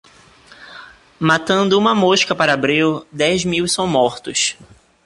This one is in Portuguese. Matando uma mosca para abril, dez mil são mortos.